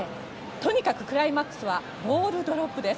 とにかく、クライマックスはボールドロップです。